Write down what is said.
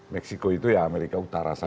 meksiko itu ya amerika utara saja